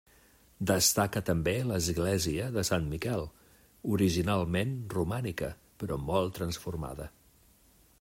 Destaca també l'església de Sant Miquel, originalment romànica, però molt transformada.